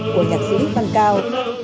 của nhạc sĩ văn cao